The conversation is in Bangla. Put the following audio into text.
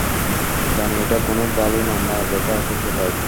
জানি এটা কোনো ভালো নাম না, যেটা আছে সেটাই।